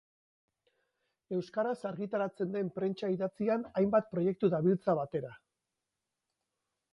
Euskaraz argitaratzen den prentsa idatzian hainbat proiektu dabiltza batera.